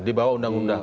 di bawah undang undang